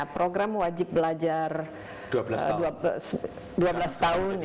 program wajib belajar dua belas tahun